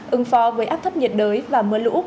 ứng phó với áp thấp nhiệt đới và mưa lũ